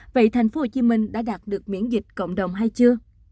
vậy thành phố hồ chí minh đã đạt được miễn dịch cộng đồng hay chưa